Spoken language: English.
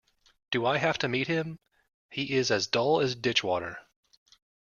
Do I have to meet him? He is as dull as ditchwater.